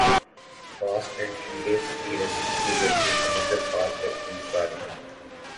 fast and furious کی رسی کے ذریعے سمندر پار کرتیں کاریں